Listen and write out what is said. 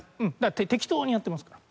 適当にやってますから。